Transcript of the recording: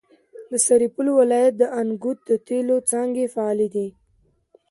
د سرپل ولایت د انګوت د تیلو څاګانې فعالې دي.